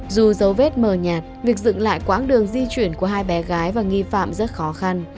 dù dấu vết mờ nhạt việc dựng lại quãng đường di chuyển của hai bé gái và nghi phạm rất khó khăn